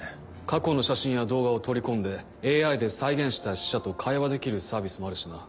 過去の写真や動画を取り込んでＡＩで再現した死者と会話できるサービスもあるしな。